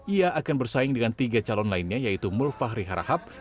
ia akan bersaing dengan tiga calon lainnya yaitu mulfahri harahap